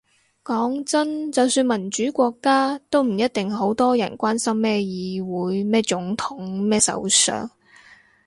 講真，就算民主國家，都唔一定好多人關心咩議會咩總統咩首相